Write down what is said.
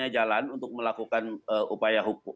bagaimana anda melihat peluang akan ada perubahan dari hukum ini